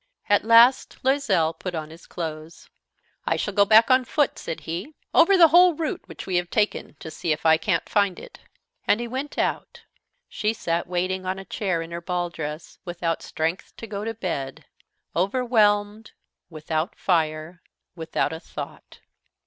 At last Loisel put on his clothes. "I shall go back on foot," said he, "over the whole route which we have taken, to see if I can't find it." And he went out. She sat waiting on a chair in her ball dress, without strength to go to bed, overwhelmed, without fire, without a thought.